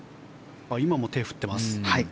今も手を振ってます。